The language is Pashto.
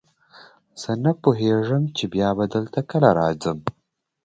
زه نه پوهېږم چې بیا به دلته کله راځم.